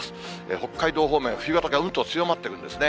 北海道方面、冬型がうんと強まってるんですね。